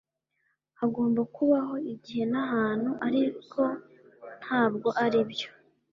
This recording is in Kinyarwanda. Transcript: Hagomba kubaho igihe nahantu, ariko ntabwo aribyo.